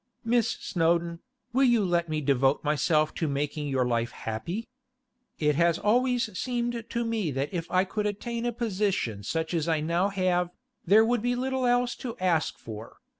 Miss Snowdon, will you let me devote myself to making your life happy? It has always seemed to me that if I could attain a position such as I now have, there would be little else to ask for.